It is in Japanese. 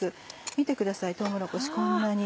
見てくださいとうもろこしこんなに。